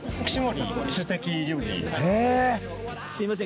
すいません